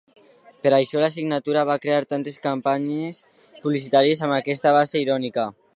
Per això la signatura va crear tantes campanyes publicitàries amb aquesta base irònica.